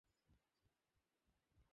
শ্যাম্পেনে ঘুমের ওষুধ মেশানো ছিল।